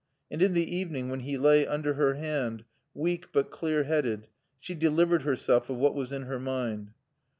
And in the evening when he lay under her hand, weak, but clear headed, she delivered herself of what was in her mind.